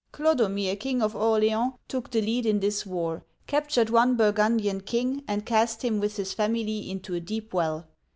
Clo'domir, king of Orleans, took the lead in this war, captured one Burgundian king, and cast him with his family into a deep well.